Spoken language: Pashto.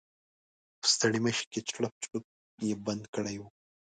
په ستړيمشې کې چړپ چړوپ یې بند کړی و.